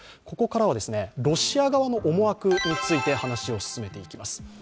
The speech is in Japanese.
ここからは、ロシア側の思惑について話を進めていきます。